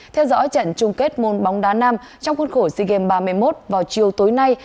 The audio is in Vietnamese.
theo dõi trận chung kết môn bóng đá nam trong khuôn khổ sea games ba mươi một vào chiều tối nay